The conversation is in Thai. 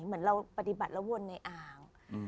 เหมือนเราปฏิบัติแล้ววนในอ่าง